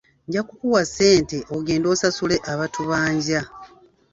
Nja kukuwa ssente ogende osasule abatubanja.